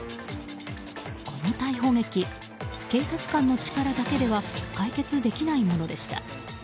この逮捕劇、警察官の力だけでは解決できないものでした。